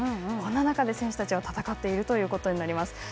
この中で選手たちは戦っていることになります。